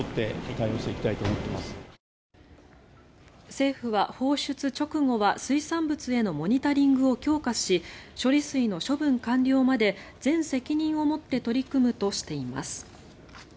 政府は放出直後は水産物へのモニタリングを強化し処理水の処分完了まで全責任を持って取り組むとしています。